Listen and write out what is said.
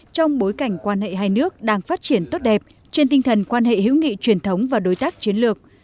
trong bối cảnh quan hệ hai nước đang phát triển tốt đẹp trên tinh thần quan hệ hữu nghị truyền thống và đối tác chiến lược